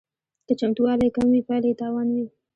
که چمتووالی کم وي پایله یې تاوان وي